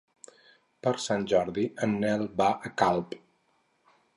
Per Sant Jordi en Nel va a Calp.